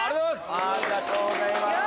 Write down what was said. ありがとうございます。